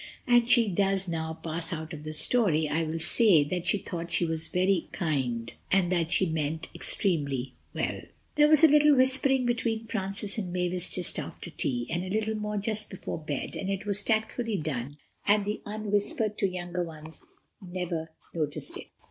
And as she does now pass out of the story I will say that she thought she was very kind, and that she meant extremely well. There was a little whispering between Francis and Mavis just after tea, and a little more just before bed, but it was tactfully done and the unwhispered to younger ones never noticed it.